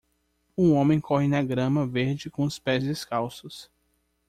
Um homem corre na grama verde com os pés descalços.